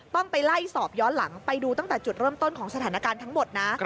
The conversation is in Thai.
ต้องไปไล่สอบย้อนหลังไปดูตั้งแต่จุดเริ่มต้นของสถานการณ์ทั้งหมดนะ